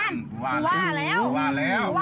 นั่นปุ่ว่าแล้ว